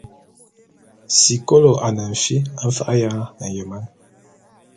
Sikolo ane fi mfa’a ya nyeman.